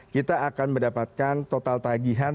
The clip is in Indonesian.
kita akan mendapatkan total tagihan